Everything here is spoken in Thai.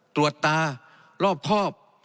ตรวจตารอบครอบ